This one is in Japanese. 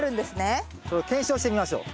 それを検証してみましょう。